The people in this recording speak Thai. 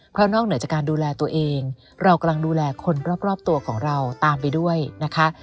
เพราะนอกเหนือจากการดูแลตัวเองเรากำลังดูแลคนรอบตัวของเราตามไปด้วยนะคะ